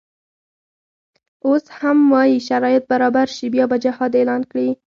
اوس هم وایي شرایط برابر شي بیا به جهاد اعلان کړي.